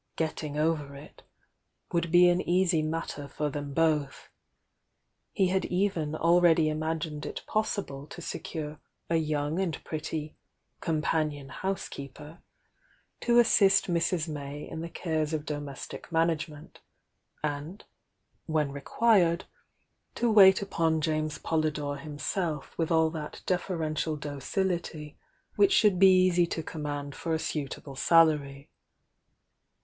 tiiug , .j v" .Vi uld be an easy matter for them h>th tie iu.d t cu already imagined it possible to f^cae a .viu.i • Mid pretty "companion housekeeper" to uwciMrs'j.lay m the cares of domestic maiiaKomi nt, .uiH, when re quired, to wait upon James I'olytiore hinielf with all that deferential docility which pIv r!(l be eajy to command for a suitable salary.